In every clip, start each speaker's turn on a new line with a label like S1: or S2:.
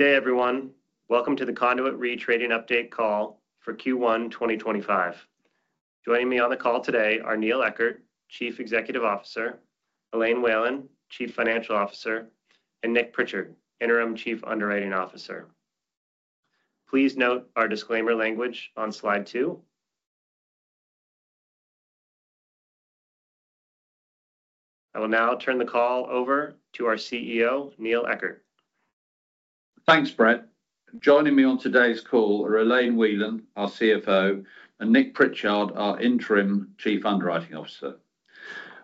S1: Good day, everyone. Welcome to the Conduit Re-Trading Update Call for Q1 2025. Joining me on the call today are Neil Eckert, Chief Executive Officer, Elaine Whelan, Chief Financial Officer, and Nick Pritchard, Interim Chief Underwriting Officer. Please note our disclaimer language on slide two. I will now turn the call over to our CEO, Neil Eckert.
S2: Thanks, Brett. Joining me on today's call are Elaine Whelan, our CFO, and Nick Pritchard, our Interim Chief Underwriting Officer.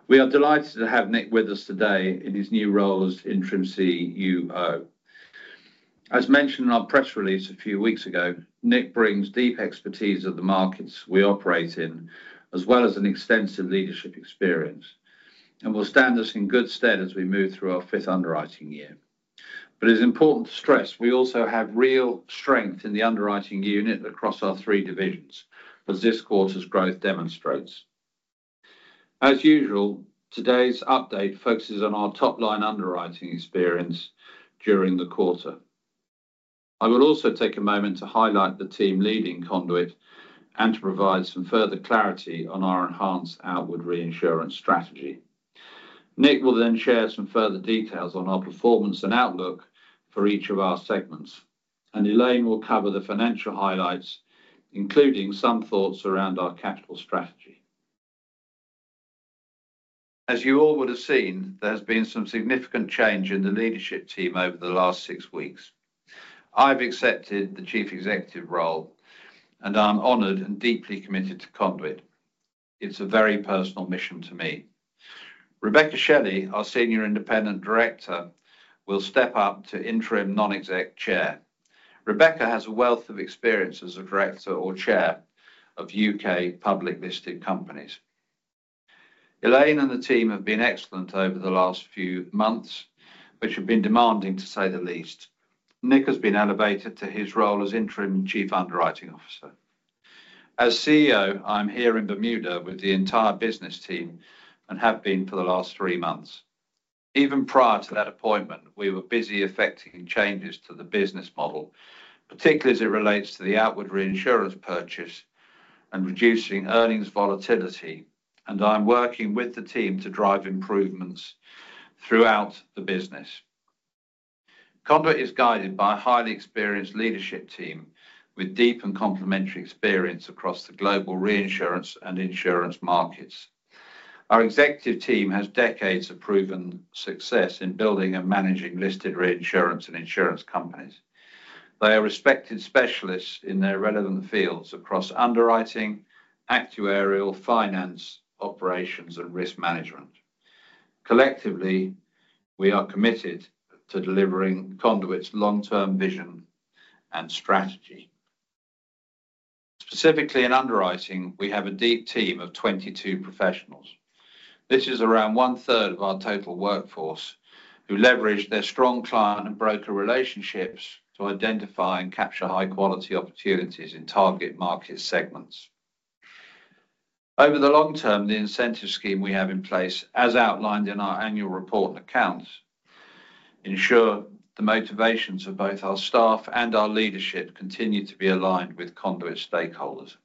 S2: We are delighted to have Nick with us today in his new role as Interim CUO. As mentioned in our press release a few weeks ago, Nick brings deep expertise of the markets we operate in, as well as extensive leadership experience, and will stand us in good stead as we move through our fifth underwriting year. It is important to stress we also have real strength in the underwriting unit across our three divisions, as this quarter's growth demonstrates. As usual, today's update focuses on our top-line underwriting experience during the quarter. I will also take a moment to highlight the team leading Conduit and to provide some further clarity on our enhanced outward reinsurance strategy. Nick will then share some further details on our performance and outlook for each of our segments, and Elaine will cover the financial highlights, including some thoughts around our capital strategy. As you all would have seen, there has been some significant change in the leadership team over the last six weeks. I've accepted the Chief Executive role, and I'm honored and deeply committed to Conduit. It's a very personal mission to me. Rebecca Shelley, our Senior Independent Director, will step up to Interim Non-Exec Chair. Rebecca has a wealth of experience as a Director or Chair of U.K. public-listed companies. Elaine and the team have been excellent over the last few months, which have been demanding, to say the least. Nick has been elevated to his role as Interim Chief Underwriting Officer. As CEO, I'm here in Bermuda with the entire business team and have been for the last three months. Even prior to that appointment, we were busy effecting changes to the business model, particularly as it relates to the outward reinsurance purchase and reducing earnings volatility, and I'm working with the team to drive improvements throughout the business. Conduit is guided by a highly experienced leadership team with deep and complementary experience across the global reinsurance and insurance markets. Our executive team has decades of proven success in building and managing listed reinsurance and insurance companies. They are respected specialists in their relevant fields across underwriting, actuarial, finance, operations, and risk management. Collectively, we are committed to delivering Conduit's long-term vision and strategy. Specifically in underwriting, we have a deep team of 22 professionals. This is around one-third of our total workforce who leverage their strong client and broker relationships to identify and capture high-quality opportunities in target market segments. Over the long term, the incentive scheme we have in place, as outlined in our annual report and accounts, ensures the motivations of both our staff and our leadership continue to be aligned with Conduit stakeholders.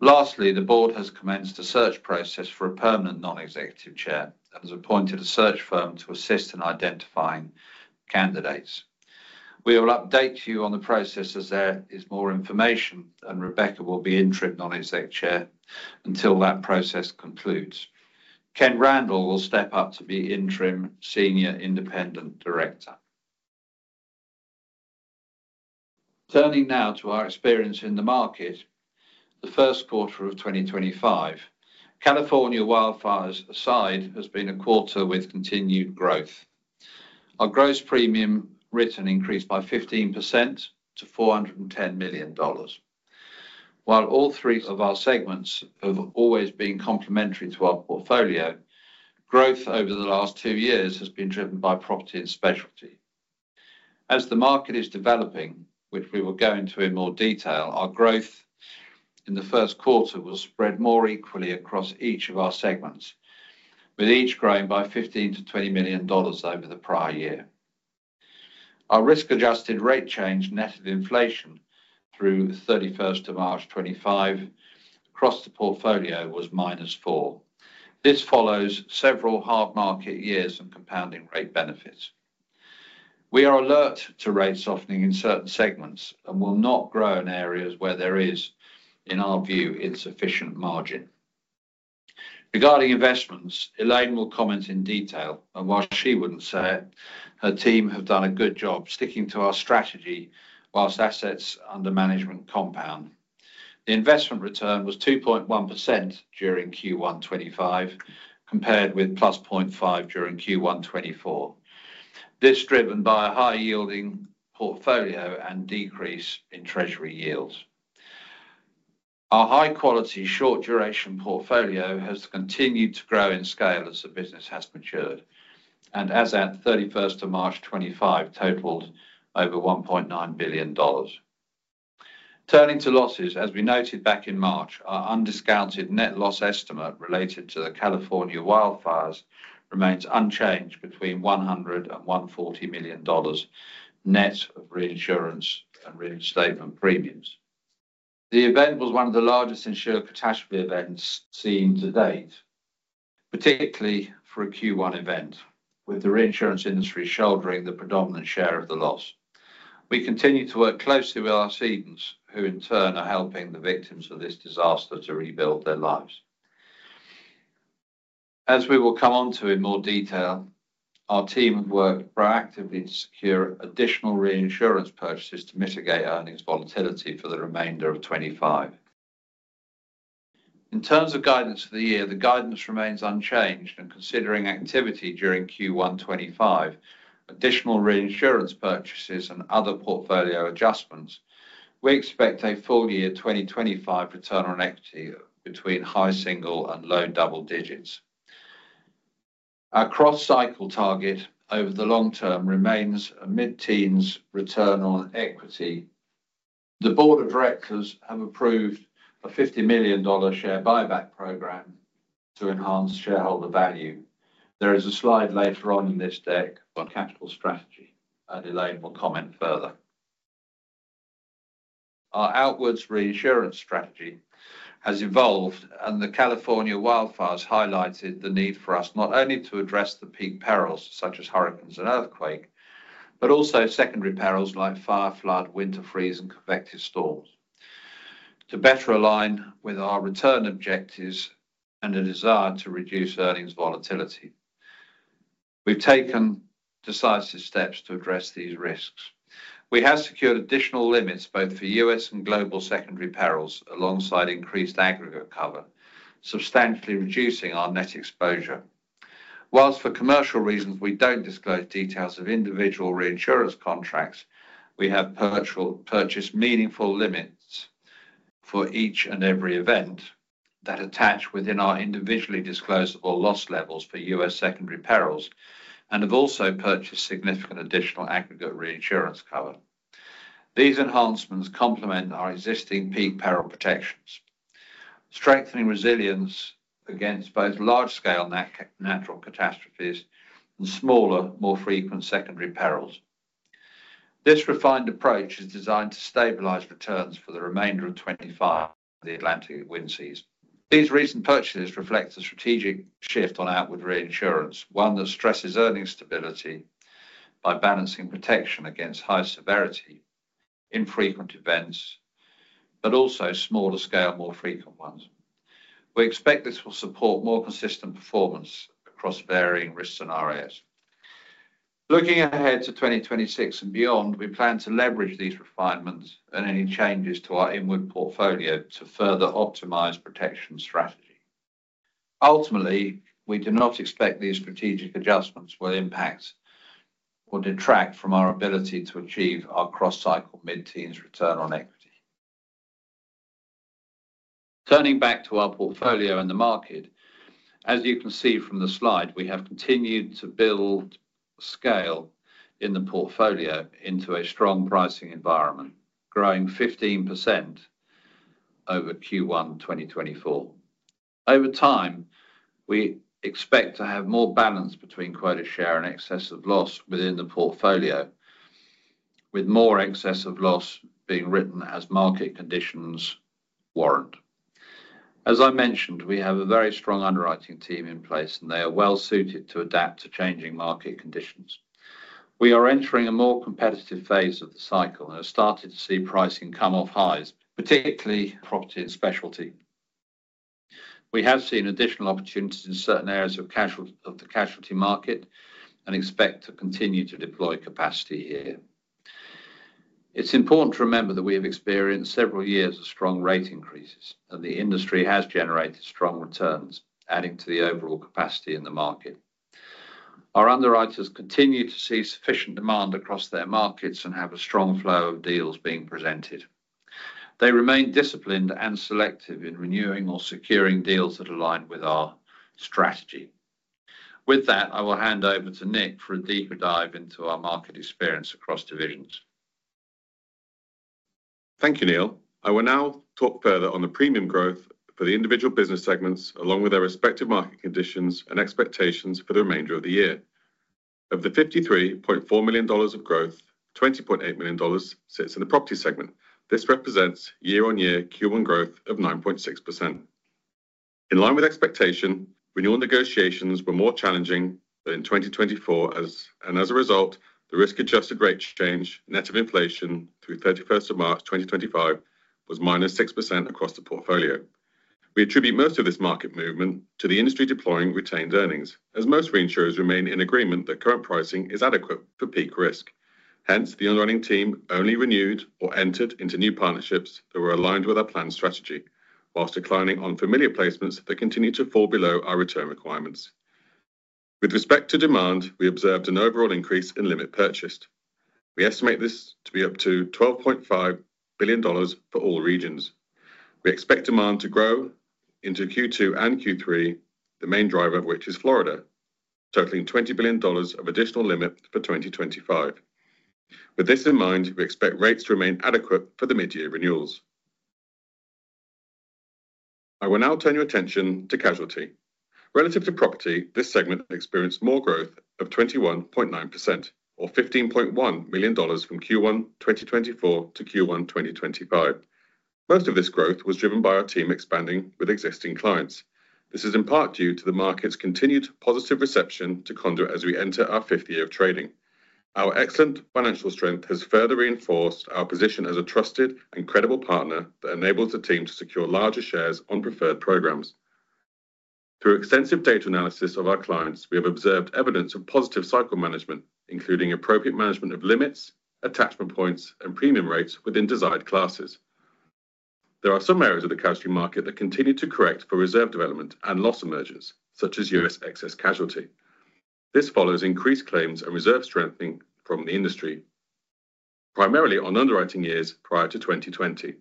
S2: Lastly, the Board has commenced a search process for a permanent Non-Executive Chair and has appointed a search firm to assist in identifying candidates. We will update you on the process as there is more information, and Rebecca will be Interim Non-Exec Chair until that process concludes. Kent Randall will step up to be Interim Senior Independent Director. Turning now to our experience in the market, the first quarter of 2025, California wildfires aside, has been a quarter with continued growth. Our gross premium written increased by 15% to $410 million. While all three of our segments have always been complementary to our portfolio, growth over the last two years has been driven by property and specialty. As the market is developing, which we will go into in more detail, our growth in the first quarter will spread more equally across each of our segments, with each growing by $15 million-$20 million over the prior year. Our risk-adjusted rate change netted inflation through 31st of March 2025 across the portfolio was -4%. This follows several hard market years and compounding rate benefits. We are alert to rate softening in certain segments and will not grow in areas where there is, in our view, insufficient margin. Regarding investments, Elaine will comment in detail, and while she wouldn't say it, her team have done a good job sticking to our strategy whilst assets under management compound. The investment return was 2.1% during Q1 2025, compared with +0.5% during Q1 2024. This is driven by a high-yielding portfolio and decrease in treasury yields. Our high-quality short-duration portfolio has continued to grow in scale as the business has matured, and as of 31st of March 2025, totaled over $1.9 billion. Turning to losses, as we noted back in March, our undiscounted net loss estimate related to the California wildfires remains unchanged between $100 million and $140 million net of reinsurance and reinstatement premiums. The event was one of the largest insurer catastrophe events seen to date, particularly for a Q1 event, with the reinsurance industry shouldering the predominant share of the loss. We continue to work closely with our cedants, who in turn are helping the victims of this disaster to rebuild their lives. As we will come on to in more detail, our team have worked proactively to secure additional reinsurance purchases to mitigate earnings volatility for the remainder of 2025. In terms of guidance for the year, the guidance remains unchanged, and considering activity during Q1 2025, additional reinsurance purchases, and other portfolio adjustments, we expect a full year 2025 return on equity between high-single and low-double digits. Our cross-cycle target over the long term remains a mid-teens return on equity. The board of directors have approved a $50 million share buyback program to enhance shareholder value. There is a slide later on in this deck on capital strategy that Elaine will comment further. Our outwards reinsurance strategy has evolved, and the California wildfires highlighted the need for us not only to address the peak perils such as hurricanes and earthquakes, but also secondary perils like fire, flood, winter freeze, and convective storms to better align with our return objectives and a desire to reduce earnings volatility. We've taken decisive steps to address these risks. We have secured additional limits both for U.S. and global secondary perils alongside increased aggregate cover, substantially reducing our net exposure. Whilst for commercial reasons we don't disclose details of individual reinsurance contracts, we have purchased meaningful limits for each and every event that attach within our individually disclosable loss levels for U.S. secondary perils and have also purchased significant additional aggregate reinsurance cover. These enhancements complement our existing peak peril protections, strengthening resilience against both large-scale natural catastrophes and smaller, more frequent secondary perils. This refined approach is designed to stabilize returns for the remainder of 2025 in the Atlantic wind season. These recent purchases reflect a strategic shift on outward reinsurance, one that stresses earnings stability by balancing protection against high severity, infrequent events, but also smaller scale, more frequent ones. We expect this will support more consistent performance across varying risk scenarios. Looking ahead to 2026 and beyond, we plan to leverage these refinements and any changes to our inward portfolio to further optimize protection strategy. Ultimately, we do not expect these strategic adjustments will impact or detract from our ability to achieve our cross-cycle mid-teens return on equity. Turning back to our portfolio and the market, as you can see from the slide, we have continued to build scale in the portfolio into a strong pricing environment, growing 15% over Q1 2024. Over time, we expect to have more balance between quoted share and excessive loss within the portfolio, with more excessive loss being written as market conditions warrant. As I mentioned, we have a very strong underwriting team in place, and they are well suited to adapt to changing market conditions. We are entering a more competitive phase of the cycle and have started to see pricing come off highs, particularly property and specialty. We have seen additional opportunities in certain areas of the casualty market and expect to continue to deploy capacity here. It's important to remember that we have experienced several years of strong rate increases, and the industry has generated strong returns, adding to the overall capacity in the market. Our underwriters continue to see sufficient demand across their markets and have a strong flow of deals being presented. They remain disciplined and selective in renewing or securing deals that align with our strategy. With that, I will hand over to Nick for a deeper dive into our market experience across divisions.
S3: Thank you, Neil. I will now talk further on the premium growth for the individual business segments, along with their respective market conditions and expectations for the remainder of the year. Of the $53.4 million of growth, $20.8 million sits in the property segment. This represents year-on-year Q1 growth of 9.6%. In line with expectation, renewal negotiations were more challenging than in 2024, and as a result, the risk-adjusted rate change net of inflation through 31st of March 2025 was -6% across the portfolio. We attribute most of this market movement to the industry deploying retained earnings, as most reinsurers remain in agreement that current pricing is adequate for peak risk. Hence, the underwriting team only renewed or entered into new partnerships that were aligned with our planned strategy, whilst declining unfamiliar placements that continue to fall below our return requirements. With respect to demand, we observed an overall increase in limit purchased. We estimate this to be up to $12.5 billion for all regions. We expect demand to grow into Q2 and Q3, the main driver of which is Florida, totaling $20 billion of additional limit for 2025. With this in mind, we expect rates to remain adequate for the mid-year renewals. I will now turn your attention to casualty. Relative to property, this segment experienced more growth of 21.9%, or $15.1 million from Q1 2024 to Q1 2025. Most of this growth was driven by our team expanding with existing clients. This is in part due to the market's continued positive reception to Conduit as we enter our fifth year of trading. Our excellent financial strength has further reinforced our position as a trusted and credible partner that enables the team to secure larger shares on preferred programs. Through extensive data analysis of our clients, we have observed evidence of positive cycle management, including appropriate management of limits, attachment points, and premium rates within desired classes. There are some areas of the casualty market that continue to correct for reserve development and loss emergence, such as U.S. excess casualty. This follows increased claims and reserve strengthening from the industry, primarily on underwriting years prior to 2020.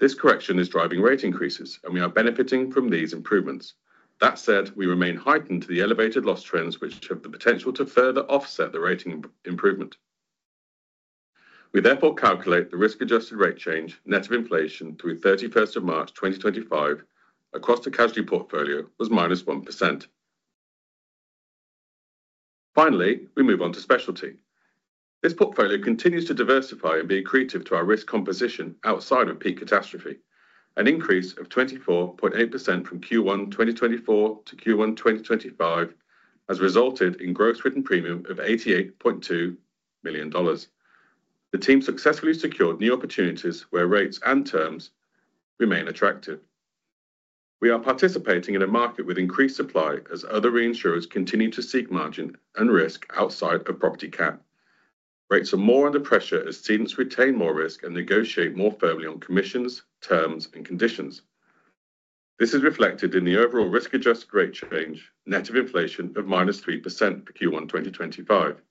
S3: This correction is driving rate increases, and we are benefiting from these improvements. That said, we remain heightened to the elevated loss trends, which have the potential to further offset the rating improvement. We therefore calculate the risk-adjusted rate change net of inflation through 31st of March 2025 across the casualty portfolio was -1%. Finally, we move on to specialty. This portfolio continues to diversify and be accretive to our risk composition outside of peak catastrophe. An increase of 24.8% from Q1 2024 to Q1 2025 has resulted in gross written premium of $88.2 million. The team successfully secured new opportunities where rates and terms remain attractive. We are participating in a market with increased supply as other reinsurers continue to seek margin and risk outside of property cat. Rates are more under pressure as cedants retain more risk and negotiate more firmly on commissions, terms, and conditions. This is reflected in the overall risk-adjusted rate change, net of inflation of -3% for Q1 2025.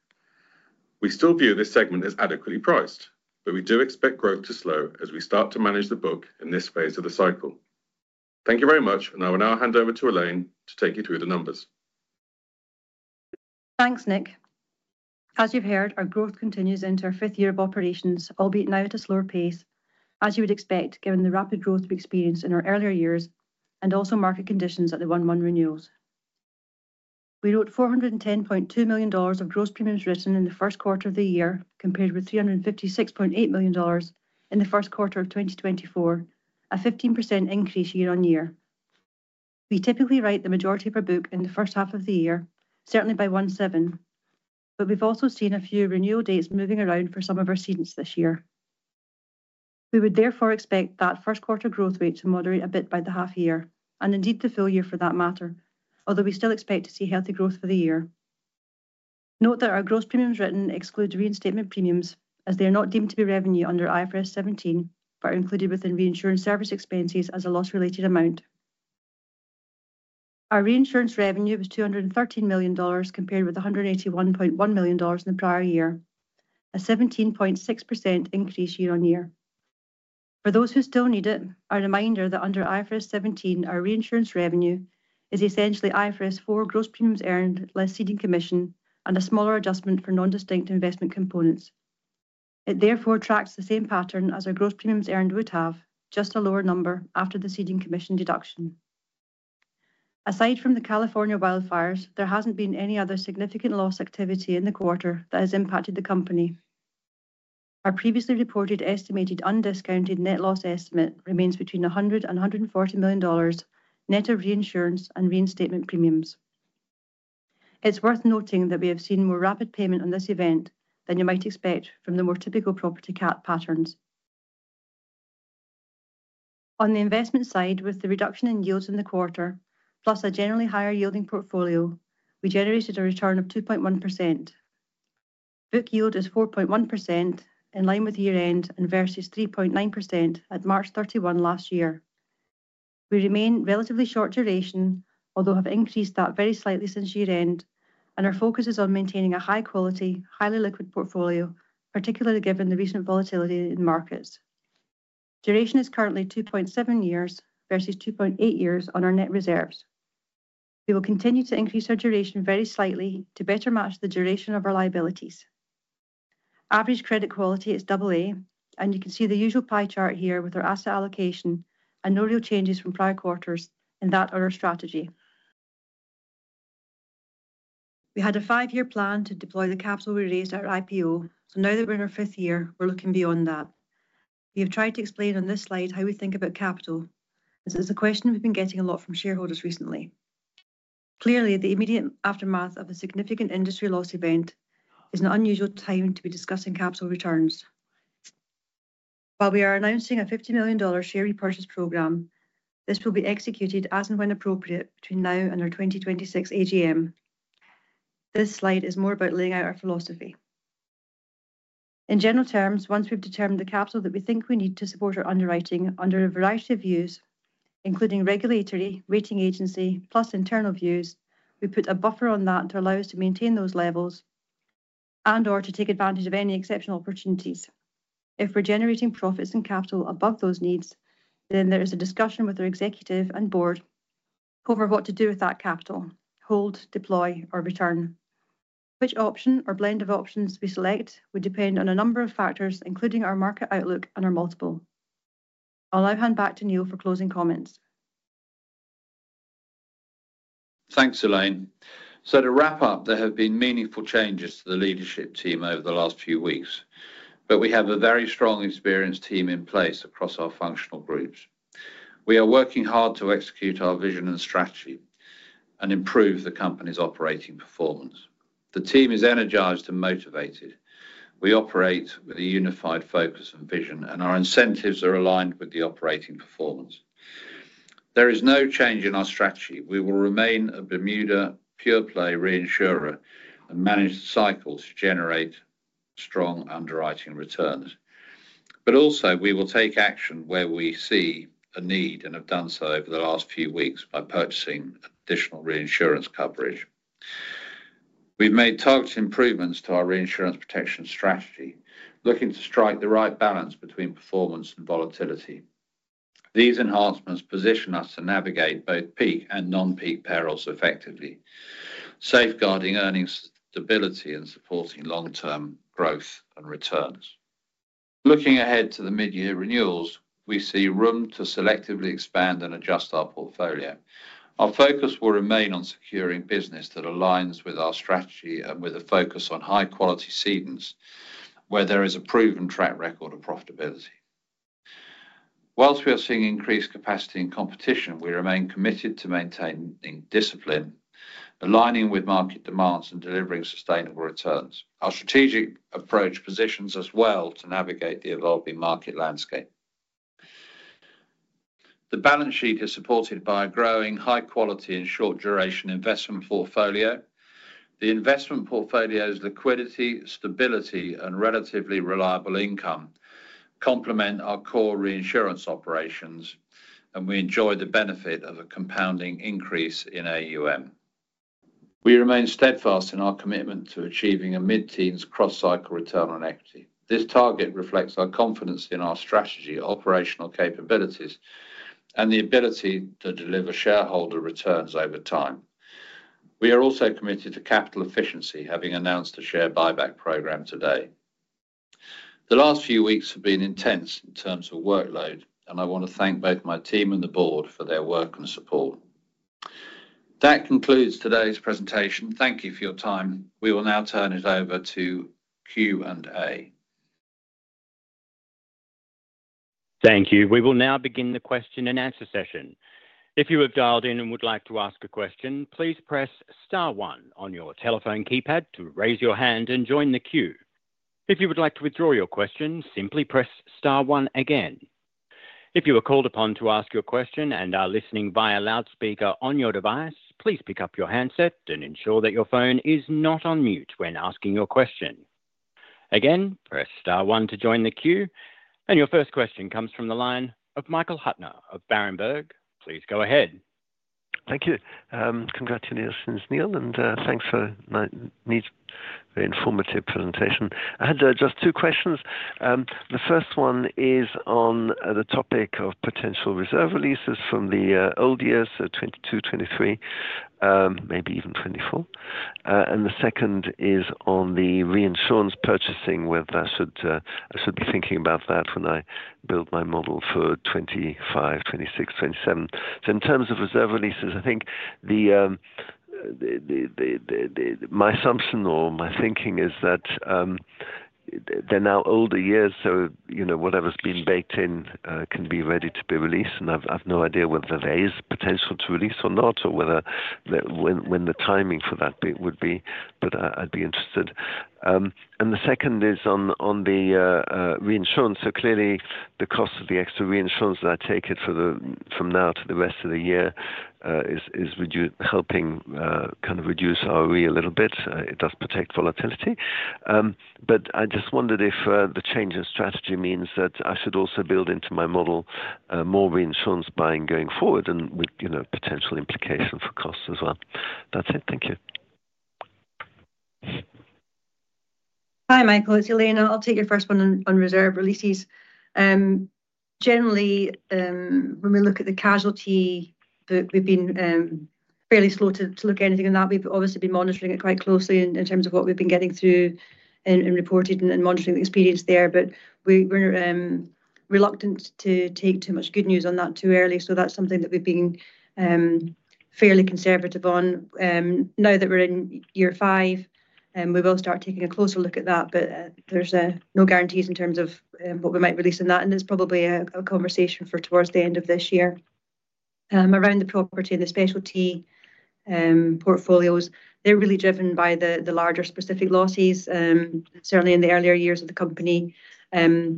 S3: We still view this segment as adequately priced, but we do expect growth to slow as we start to manage the book in this phase of the cycle. Thank you very much, and I will now hand over to Elaine to take you through the numbers.
S4: Thanks, Nick. As you've heard, our growth continues into our fifth year of operations, albeit now at a slower pace, as you would expect given the rapid growth we experienced in our earlier years and also market conditions at the one-month renewals. We wrote $410.2 million of gross premiums written in the first quarter of the year, compared with $356.8 million in the first quarter of 2024, a 15% increase year-on-year. We typically write the majority of our book in the first half of the year, certainly by 1/7, but we've also seen a few renewal dates moving around for some of our cedants this year. We would therefore expect that first quarter growth rate to moderate a bit by the half year, and indeed the full year for that matter, although we still expect to see healthy growth for the year. Note that our gross premiums written excludes reinstatement premiums, as they are not deemed to be revenue under IFRS 17, but are included within reinsurance service expenses as a loss-related amount. Our reinsurance revenue was $213 million, compared with $181.1 million in the prior year, a 17.6% increase year-on-year. For those who still need it, a reminder that under IFRS 17, our reinsurance revenue is essentially IFRS 4 gross premiums earned, less seeding commission, and a smaller adjustment for non-distinct investment components. It therefore tracks the same pattern as our gross premiums earned would have, just a lower number after the seeding commission deduction. Aside from the California wildfires, there has not been any other significant loss activity in the quarter that has impacted the company. Our previously reported estimated undiscounted net loss estimate remains between $100 million and $140 million net of reinsurance and reinstatement premiums. It's worth noting that we have seen more rapid payment on this event than you might expect from the more typical property cat patterns. On the investment side, with the reduction in yields in the quarter, plus a generally higher yielding portfolio, we generated a return of 2.1%. Book yield is 4.1% in line with year-end and versus 3.9% at March 31 last year. We remain relatively short duration, although have increased that very slightly since year-end, and our focus is on maintaining a high-quality, highly-liquid portfolio, particularly given the recent volatility in markets. Duration is currently 2.7 years versus 2.8 years on our net reserves. We will continue to increase our duration very slightly to better match the duration of our liabilities. Average credit quality is AA, and you can see the usual pie chart here with our asset allocation and no real changes from prior quarters in that or our strategy. We had a five-year plan to deploy the capital we raised at our IPO, so now that we're in our fifth year, we're looking beyond that. We have tried to explain on this slide how we think about capital, as it's a question we've been getting a lot from shareholders recently. Clearly, the immediate aftermath of a significant industry loss event is an unusual time to be discussing capital returns. While we are announcing a $50 million share repurchase program, this will be executed as and when appropriate between now and our 2026 AGM. This slide is more about laying out our philosophy. In general terms, once we've determined the capital that we think we need to support our underwriting under a variety of views, including regulatory, rating agency, plus internal views, we put a buffer on that to allow us to maintain those levels and/or to take advantage of any exceptional opportunities. If we're generating profits and capital above those needs, then there is a discussion with our executive and board over what to do with that capital: hold, deploy, or return. Which option or blend of options we select would depend on a number of factors, including our market outlook and our multiple. I'll now hand back to Neil for closing comments.
S2: Thanks, Elaine. To wrap up, there have been meaningful changes to the leadership team over the last few weeks, but we have a very strong experienced team in place across our functional groups. We are working hard to execute our vision and strategy and improve the company's operating performance. The team is energized and motivated. We operate with a unified focus and vision, and our incentives are aligned with the operating performance. There is no change in our strategy. We will remain a Bermuda pure-play reinsurer and manage the cycles to generate strong underwriting returns. Also, we will take action where we see a need and have done so over the last few weeks by purchasing additional reinsurance coverage. We have made targeted improvements to our reinsurance protection strategy, looking to strike the right balance between performance and volatility. These enhancements position us to navigate both peak and non-peak perils effectively, safeguarding earnings stability and supporting long-term growth and returns. Looking ahead to the mid-year renewals, we see room to selectively expand and adjust our portfolio. Our focus will remain on securing business that aligns with our strategy and with a focus on high-quality cedants, where there is a proven track record of profitability. Whilst we are seeing increased capacity and competition, we remain committed to maintaining discipline, aligning with market demands and delivering sustainable returns. Our strategic approach positions us well to navigate the evolving market landscape. The balance sheet is supported by a growing, high-quality, and short-duration investment portfolio. The investment portfolio's liquidity, stability, and relatively reliable income complement our core reinsurance operations, and we enjoy the benefit of a compounding increase in AUM. We remain steadfast in our commitment to achieving a mid-teens cross-cycle return on equity. This target reflects our confidence in our strategy, operational capabilities, and the ability to deliver shareholder returns over time. We are also committed to capital efficiency, having announced a share buyback program today. The last few weeks have been intense in terms of workload, and I want to thank both my team and the board for their work and support. That concludes today's presentation. Thank you for your time. We will now turn it over to Q&A.
S5: Thank you. We will now begin the question and answer session. If you have dialed in and would like to ask a question, please press star one on your telephone keypad to raise your hand and join the queue. If you would like to withdraw your question, simply press star one again. If you are called upon to ask your question and are listening via loudspeaker on your device, please pick up your handset and ensure that your phone is not on mute when asking your question. Again, press star one to join the queue, and your first question comes from the line of Michael Huttner of Berenberg. Please go ahead.
S6: Thank you. Congratulations, Neil, and thanks for my neat and informative presentation. I had just two questions. The first one is on the topic of potential reserve releases from the old years, so 2022, 2023, maybe even 2024. The second is on the reinsurance purchasing, which I should be thinking about that when I build my model for 2025, 2026, 2027. In terms of reserve releases, I think my assumption or my thinking is that they're now older years, so whatever's been baked in can be ready to be released. I've no idea whether there is potential to release or not, or when the timing for that would be, but I'd be interested. The second is on the reinsurance. Clearly, the cost of the extra reinsurance that I take from now to the rest of the year is helping kind of reduce our ROE a little bit. It does protect volatility. I just wondered if the change in strategy means that I should also build into my model more reinsurance buying going forward and with potential implication for costs as well. That's it. Thank you.
S4: Hi, Michael. It's Elaine. I'll take your first one on reserve releases. Generally, when we look at the casualty, we've been fairly slow to look at anything on that. We've obviously been monitoring it quite closely in terms of what we've been getting through and reported and monitoring the experience there, but we're reluctant to take too much good news on that too early. That's something that we've been fairly conservative on. Now that we're in year five, we will start taking a closer look at that, but there's no guarantees in terms of what we might release in that. It's probably a conversation for towards the end of this year. Around the property and the specialty portfolios, they're really driven by the larger specific losses. Certainly, in the earlier years of the company, the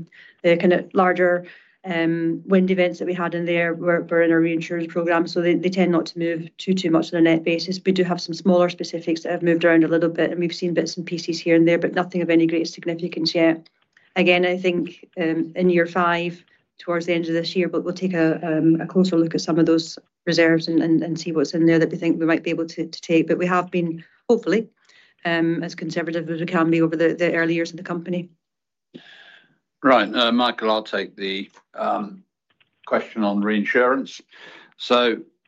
S4: kind of larger wind events that we had in there were in our reinsurance program, so they tend not to move too much on a net basis. We do have some smaller specifics that have moved around a little bit, and we've seen bits and pieces here and there, but nothing of any great significance yet. Again, I think in year five, towards the end of this year, we'll take a closer look at some of those reserves and see what's in there that we think we might be able to take. We have been, hopefully, as conservative as we can be over the early years of the company.
S2: Right. Michael, I'll take the question on reinsurance.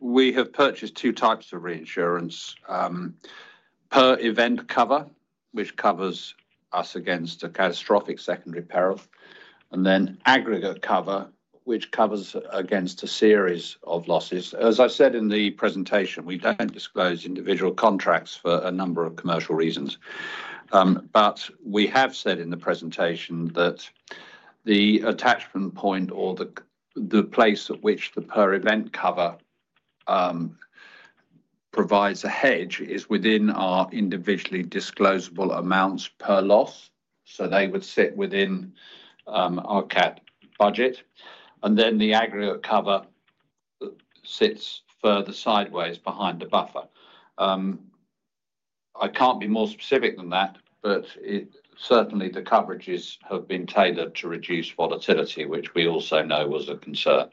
S2: We have purchased two types of reinsurance: per event cover, which covers us against a catastrophic secondary peril, and then aggregate cover, which covers against a series of losses. As I said in the presentation, we don't disclose individual contracts for a number of commercial reasons. We have said in the presentation that the attachment point or the place at which the per event cover provides a hedge is within our individually disclosable amounts per loss, so they would sit within our cap budget. The aggregate cover sits further sideways behind the buffer. I can't be more specific than that, but certainly, the coverages have been tailored to reduce volatility, which we also know was a concern.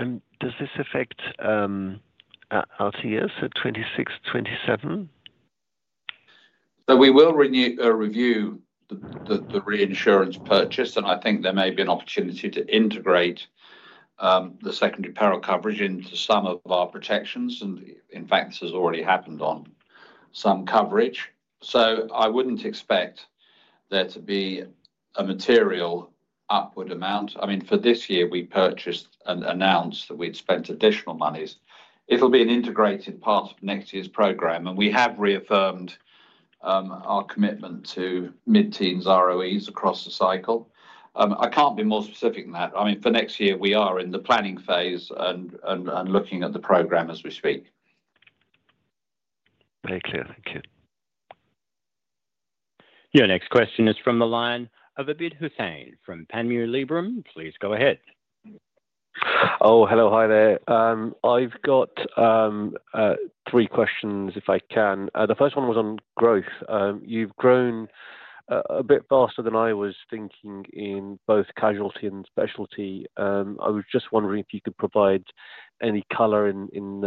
S6: Does this affect our TS at 2026, 2027?
S2: We will review the reinsurance purchase, and I think there may be an opportunity to integrate the secondary peril coverage into some of our protections. In fact, this has already happened on some coverage. I would not expect there to be a material upward amount. I mean, for this year, we purchased and announced that we had spent additional monies. It will be an integrated part of next year's program, and we have reaffirmed our commitment to mid-teens ROEs across the cycle. I cannot be more specific than that. I mean, for next year, we are in the planning phase and looking at the program as we speak.
S6: Very clear. Thank you.
S5: Your next question is from Abid Hussain of Panmure Liberum. Please go ahead.
S7: Oh, hello. Hi there. I've got three questions, if I can. The first one was on growth. You've grown a bit faster than I was thinking in both casualty and specialty. I was just wondering if you could provide any color in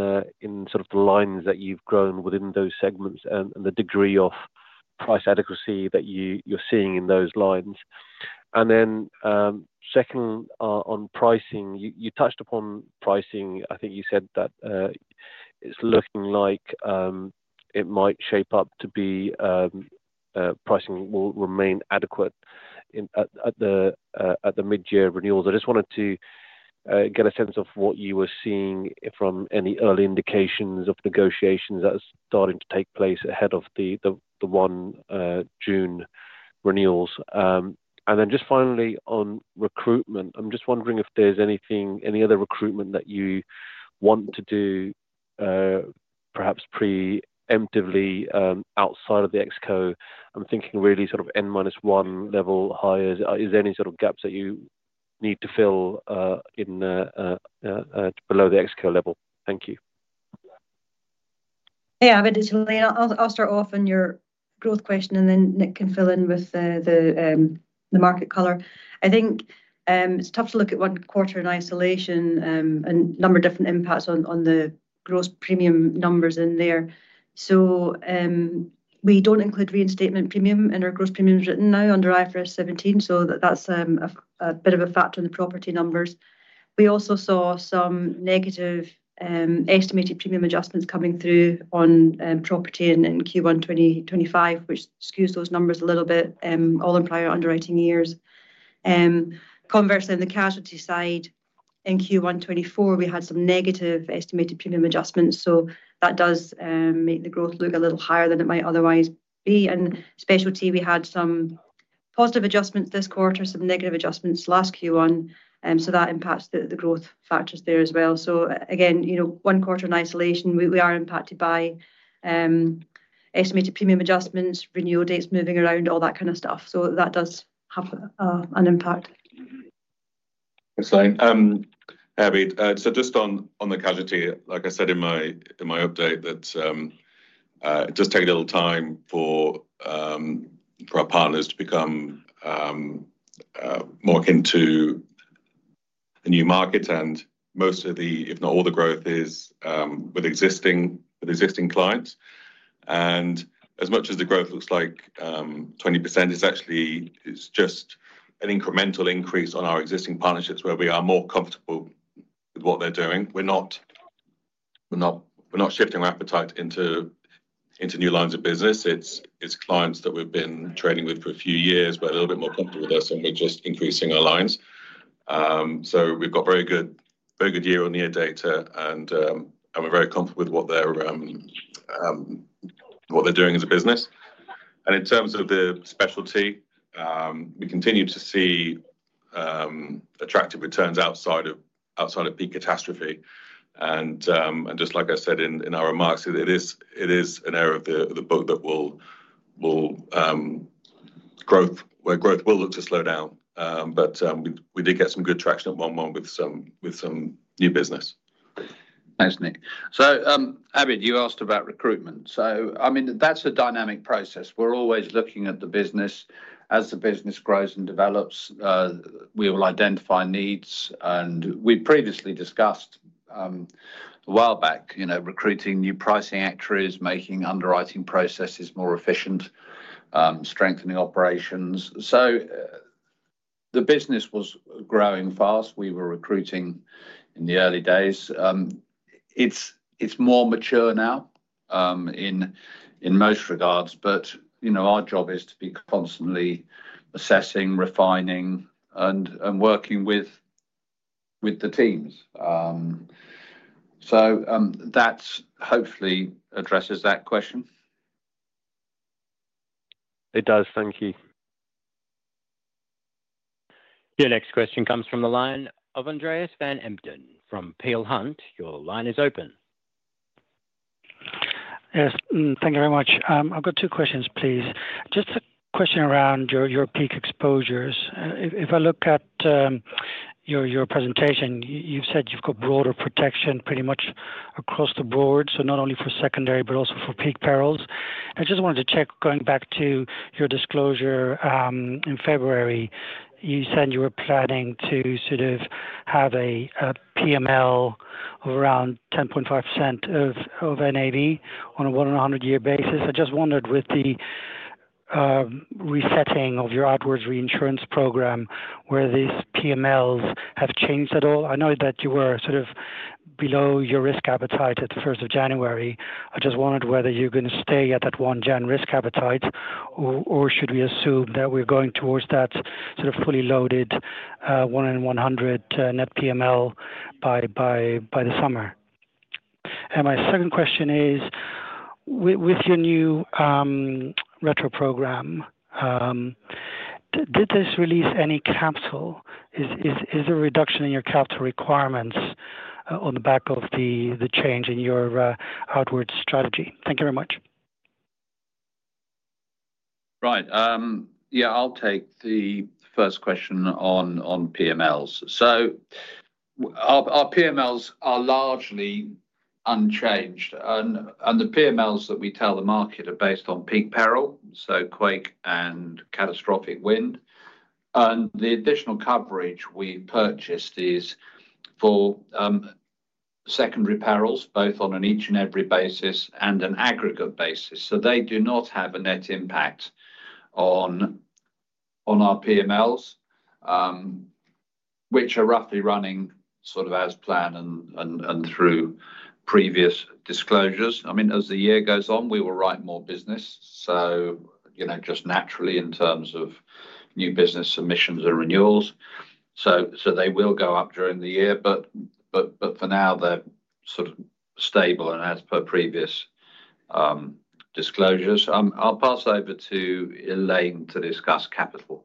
S7: sort of the lines that you've grown within those segments and the degree of price adequacy that you're seeing in those lines. The second on pricing, you touched upon pricing. I think you said that it's looking like it might shape up to be pricing will remain adequate at the mid-year renewals. I just wanted to get a sense of what you were seeing from any early indications of negotiations that are starting to take place ahead of the one June renewals. Just finally on recruitment, I'm just wondering if there's anything, any other recruitment that you want to do perhaps preemptively outside of the ExCo? I'm thinking really sort of N-1 level hires. Is there any sort of gaps that you need to fill below the ExCo level? Thank you.
S4: Yeah. I'll start off on your growth question, and then Nick can fill in with the market color. I think it's tough to look at one quarter in isolation and a number of different impacts on the gross premium numbers in there. We don't include reinstatement premium in our gross premiums written now under IFRS 17, so that's a bit of a factor in the property numbers. We also saw some negative estimated premium adjustments coming through on property in Q1 2025, which skews those numbers a little bit all in prior underwriting years. Conversely, on the casualty side, in Q1 2024, we had some negative estimated premium adjustments, so that does make the growth look a little higher than it might otherwise be. In specialty, we had some positive adjustments this quarter, some negative adjustments last Q1, so that impacts the growth factors there as well. Again, one quarter in isolation, we are impacted by estimated premium adjustments, renewal dates moving around, all that kind of stuff. That does have an impact.
S3: Excellent. Just on the casualty, like I said in my update, it does take a little time for our partners to become more akin to a new market, and most of the, if not all, the growth is with existing clients. As much as the growth looks like 20%, it's actually just an incremental increase on our existing partnerships where we are more comfortable with what they're doing. We're not shifting our appetite into new lines of business. It's clients that we've been trading with for a few years; we're a little bit more comfortable with them, so we're just increasing our lines. We've got very good year-on-year data, and we're very comfortable with what they're doing as a business. In terms of the specialty, we continue to see attractive returns outside of peak catastrophe. Just like I said in our remarks, it is an area of the book that will grow, where growth will look to slow down, but we did get some good traction at one moment with some new business.
S2: Thanks, Nick. Abid, you asked about recruitment. I mean, that's a dynamic process. We're always looking at the business as the business grows and develops. We will identify needs, and we previously discussed a while back recruiting new pricing actuaries, making underwriting processes more efficient, strengthening operations. The business was growing fast. We were recruiting in the early days. It's more mature now in most regards, but our job is to be constantly assessing, refining, and working with the teams. That hopefully addresses that question.
S7: It does. Thank you.
S5: Your next question comes from Andreas van Embden from Peel Hunt. Your line is open.
S8: Yes. Thank you very much. I've got two questions, please. Just a question around your peak exposures, if I look at your presentation, you've said you've got broader protection pretty much across the board, so not only for secondary but also for peak perils. I just wanted to check, going back to your disclosure in February, you said you were planning to sort of have a PML of around 10.5% of NAV on a 1-in-100 year basis. I just wondered, with the resetting of your outwards reinsurance program, whether these PMLs have changed at all. I know that you were sort of below your risk appetite at the 1st of January. I just wondered whether you're going to stay at that one gen risk appetite, or should we assume that we're going towards that sort of fully loaded 1-in-100 net PML by the summer? My second question is, with your new retro program, did this release any capital? Is there a reduction in your capital requirements on the back of the change in your outward strategy? Thank you very much.
S3: Right. Yeah. I'll take the first question on PMLs. So our PMLs are largely unchanged, and the PMLs that we tell the market are based on peak peril, so quake and catastrophic wind. The additional coverage we purchased is for secondary perils, both on an each-and-every basis and an aggregate basis. They do not have a net impact on our PMLs, which are roughly running sort of as planned and through previous disclosures. I mean, as the year goes on, we will write more business, just naturally in terms of new business submissions and renewals. They will go up during the year, but for now, they're sort of stable and as per previous disclosures. I'll pass over to Elaine to discuss capital.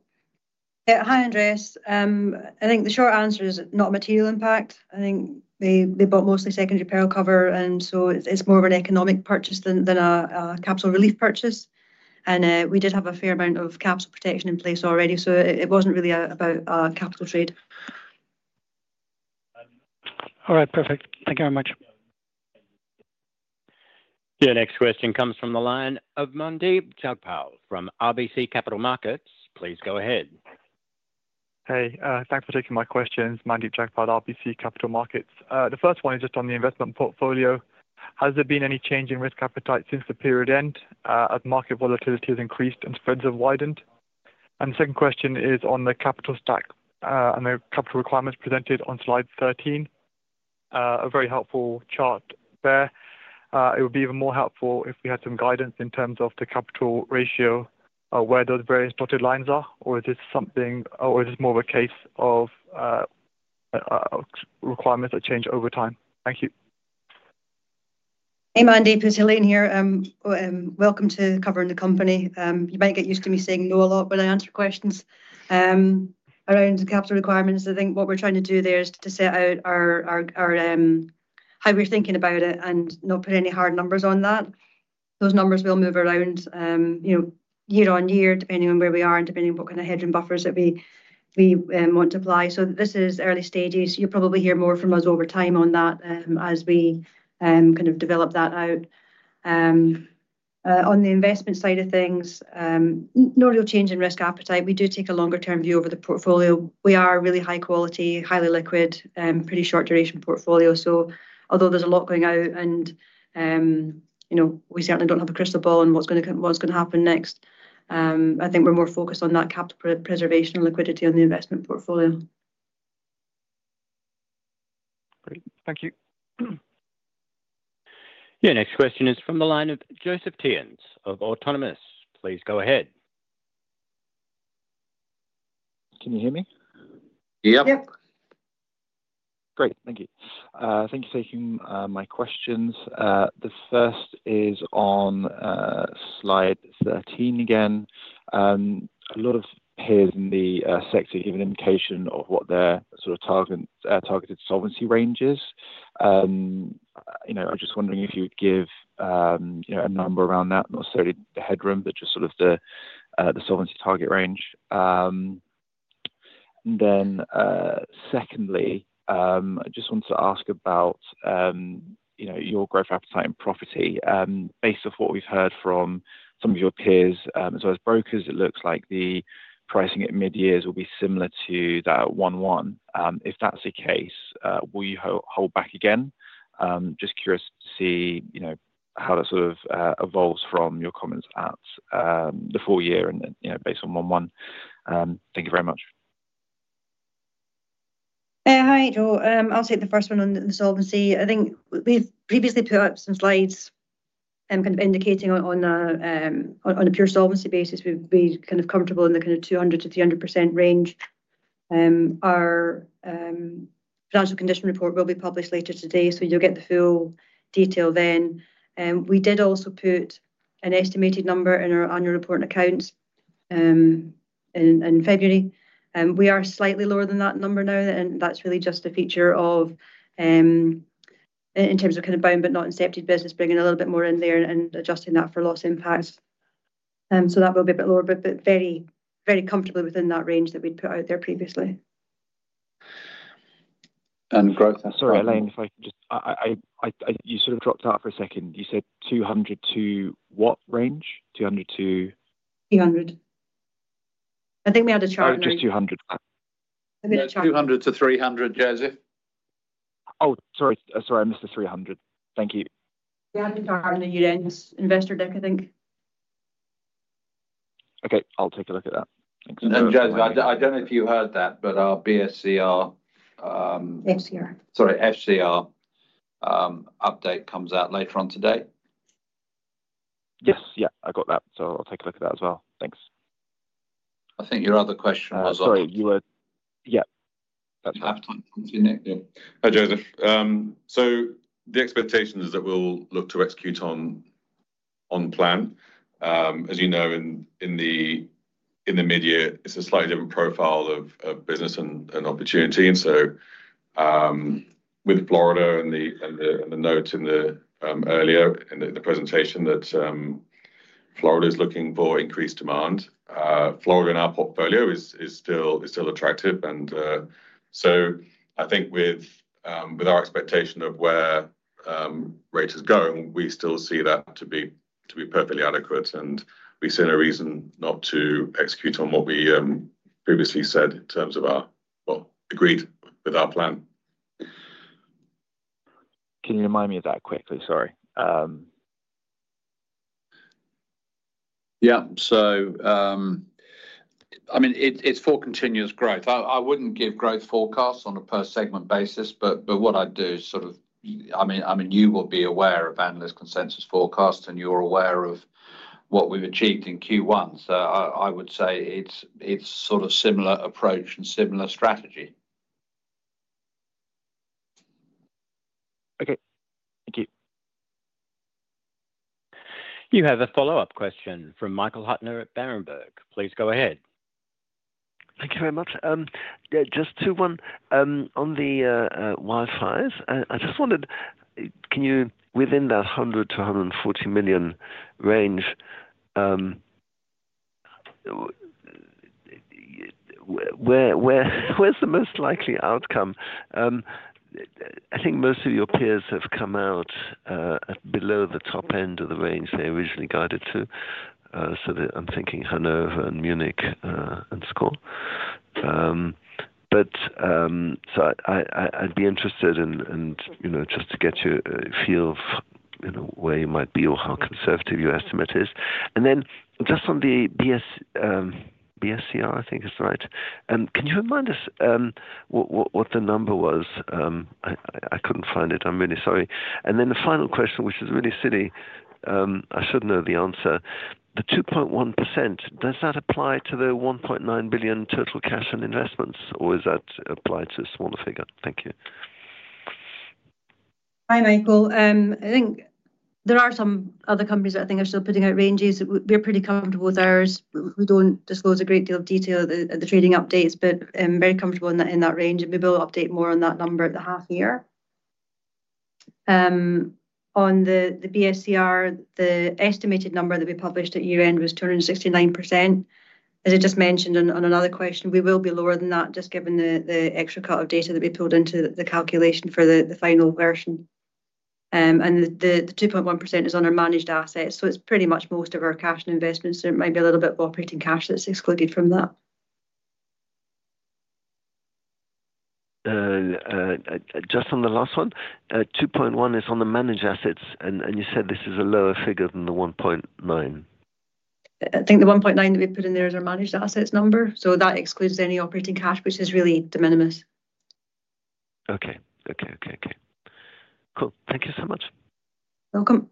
S4: Yeah. Hi, Andreas. I think the short answer is not a material impact. I think they bought mostly secondary peril cover, and it is more of an economic purchase than a capital relief purchase. We did have a fair amount of capital protection in place already, so it was not really about a capital trade.
S8: All right. Perfect. Thank you very much.
S5: Your next question comes from Mandeep Jagpal from RBC Capital Markets. Please go ahead.
S9: Hey. Thanks for taking my questions. Mandeep Jagpal, RBC Capital Markets. The first one is just on the investment portfolio. Has there been any change in risk appetite since the period end as market volatility has increased and spreads have widened? The second question is on the capital stack and the capital requirements presented on slide 13, a very helpful chart there. It would be even more helpful if we had some guidance in terms of the capital ratio, where those various dotted lines are, or is this something or is this more of a case of requirements that change over time? Thank you.
S4: Hey, Mandeep. It's Elaine here. Welcome to covering the company. You might get used to me saying no a lot when I answer questions around the capital requirements. I think what we're trying to do there is to set out how we're thinking about it and not put any hard numbers on that. Those numbers will move around year-on-year, depending on where we are and depending on what kind of hedge and buffers that we want to apply. This is early stages. You'll probably hear more from us over time on that as we kind of develop that out. On the investment side of things, no real change in risk appetite. We do take a longer-term view over the portfolio. We are a really high-quality, highly liquid, pretty short-duration portfolio. Although there's a lot going out and we certainly don't have a crystal ball on what's going to happen next, I think we're more focused on that capital preservation and liquidity on the investment portfolio.
S9: Great. Thank you.
S5: Your next question is from Joseph Theuns of Autonomous. Please go ahead.
S10: Can you hear me?
S2: Yep.
S4: Yep.
S10: Great. Thank you. Thank you for taking my questions. The first is on slide 13 again. A lot of peers in the sector give an indication of what their sort of targeted solvency range is. I'm just wondering if you would give a number around that, not necessarily the headroom, but just sort of the solvency target range. Secondly, I just wanted to ask about your growth appetite and property. Based off what we've heard from some of your peers as well as brokers, it looks like the pricing at mid-years will be similar to that 1/1. If that's the case, will you hold back again? Just curious to see how that sort of evolves from your comments at the full year and based on 1/1. Thank you very much.
S4: Hi, Joseph. I'll take the first one on the solvency. I think we've previously put up some slides kind of indicating on a pure solvency basis. We'd be kind of comfortable in the kind of 200%-300% range. Our financial condition report will be published later today, so you'll get the full detail then. We did also put an estimated number in our annual report and accounts in February. We are slightly lower than that number now, and that's really just a feature of, in terms of kind of bound but not incepted business, bringing a little bit more in there and adjusting that for loss impacts. That will be a bit lower, but very comfortably within that range that we'd put out there previously.
S10: Growth? Sorry, Elaine, if I could just—you sort of dropped out for a second. You said 200% to what range? 200% to?
S4: 300%. I think we had a chart.
S10: Oh, just 200%.
S4: I've got a chart.
S2: 200%-300%, Joseph.
S10: Oh, sorry. Sorry, I missed the 300%. Thank you.
S4: We had a chart on the year-end investor deck, I think.
S10: Okay. I'll take a look at that. Thanks.
S2: Joseph, I do not know if you heard that, but our BSCR.
S4: FCR.
S2: Sorry, FCR update comes out later on today.
S10: Yes. Yeah. I got that. I'll take a look at that as well. Thanks.
S2: I think your other question was on—
S10: Sorry. You were—yeah.
S11: Hi, Joseph. The expectation is that we'll look to execute on plan. As you know, in the mid-year, it's a slightly different profile of business and opportunity. With Florida and the notes earlier in the presentation that Florida is looking for increased demand, Florida in our portfolio is still attractive. I think with our expectation of where rates are going, we still see that to be perfectly adequate, and we see no reason not to execute on what we previously said in terms of our, well, agreed with our plan.
S10: Can you remind me of that quickly? Sorry.
S11: Yeah. So I mean, it's for continuous growth. I wouldn't give growth forecasts on a per-segment basis, but what I'd do is sort of—I mean, you will be aware of analyst consensus forecasts, and you're aware of what we've achieved in Q1. I would say it's sort of similar approach and similar strategy.
S10: Okay. Thank you.
S5: You have a follow-up question from Michael Huttner at Berenberg. Please go ahead.
S6: Thank you very much. Just two ones. On the wildfires, I just wondered, within that $100 million-$140 million range, where's the most likely outcome? I think most of your peers have come out below the top end of the range they originally guided to. I am thinking Hannover Re and Munich Re and SCOR SE. I would be interested just to get your feel of where you might be or how conservative your estimate is. Just on the BSCR, I think it's right. Can you remind us what the number was? I could not find it. I am really sorry. The final question, which is really silly. I should know the answer. The 2.1%, does that apply to the $1.9 billion total cash and investments, or is that applied to a smaller figure? Thank you.
S4: Hi, Michael. I think there are some other companies that I think are still putting out ranges. We're pretty comfortable with ours. We don't disclose a great deal of detail at the trading updates, but very comfortable in that range, and we will update more on that number at the half-year. On the BSCR, the estimated number that we published at year-end was 269%. As I just mentioned on another question, we will be lower than that, just given the extra cut of data that we pulled into the calculation for the final version. The 2.1% is on our managed assets, so it's pretty much most of our cash and investments. There might be a little bit of operating cash that's excluded from that.
S6: Just on the last one, 2.1% is on the managed assets, and you said this is a lower figure than the $1.9 billiion?
S4: I think the $1.9 billion that we put in there is our managed assets number, so that excludes any operating cash, which is really de minimis.
S6: Okay. Cool. Thank you so much.
S4: You're welcome.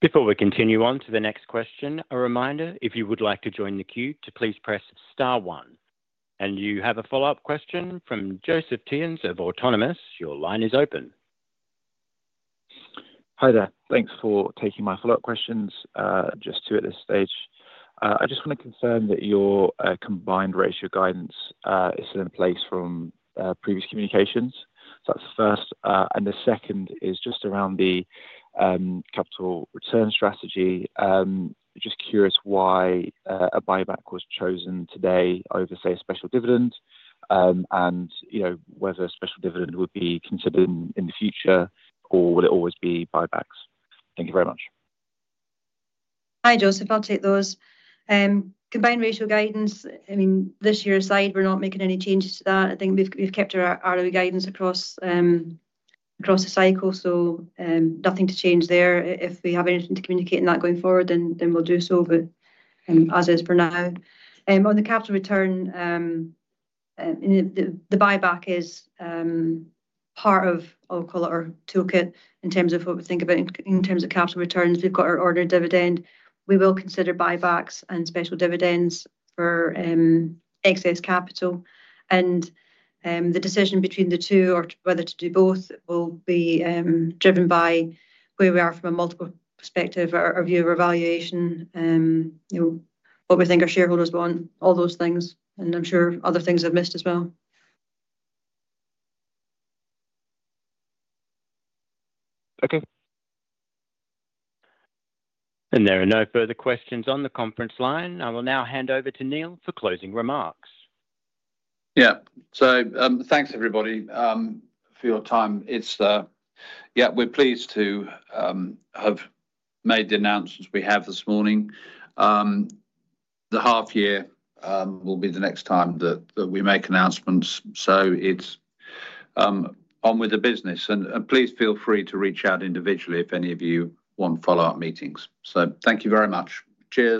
S5: Before we continue on to the next question, a reminder, if you would like to join the queue, please press star one. You have a follow-up question from Joseph Theuns of Autonomous. Your line is open.
S10: Hi there. Thanks for taking my follow-up questions just too at this stage. I just want to confirm that your combined ratio guidance is still in place from previous communications. That's the first. The second is just around the capital return strategy. Just curious why a buyback was chosen today over, say, a special dividend, and whether a special dividend would be considered in the future, or will it always be buybacks? Thank you very much.
S4: Hi, Joseph. I'll take those. Combined ratio guidance, I mean, this year aside, we're not making any changes to that. I think we've kept our early guidance across the cycle, so nothing to change there. If we have anything to communicate in that going forward, then we'll do so, but as is for now. On the capital return, the buyback is part of, I'll call it, our toolkit in terms of what we think about in terms of capital returns. We've got our ordered dividend. We will consider buybacks and special dividends for excess capital. The decision between the two, or whether to do both, will be driven by where we are from a multiple perspective or view of our valuation, what we think our shareholders want, all those things. I'm sure other things I've missed as well.
S10: Okay.
S5: There are no further questions on the conference line. I will now hand over to Neil for closing remarks.
S2: Yeah. So thanks, everybody, for your time. Yeah, we're pleased to have made the announcements we have this morning. The half-year will be the next time that we make announcements. It's on with the business. Please feel free to reach out individually if any of you want follow-up meetings. Thank you very much. Cheers.